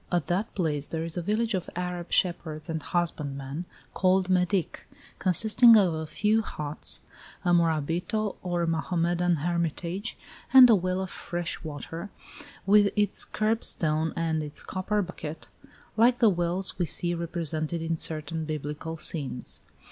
At that place there is a village of Arab shepherds and husbandmen, called Medick, consisting of a few huts, a morabito or Mohammedan hermitage, and a well of fresh water, with its curb stone and its copper bucket, like the wells we see represented in certain biblical scenes.